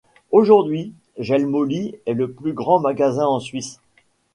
Aujourd'hui, Jelmoli est le plus grand magasin en Suisse.